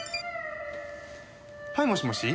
はいもしもし。